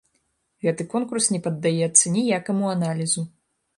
Гэты конкурс не паддаецца ніякаму аналізу.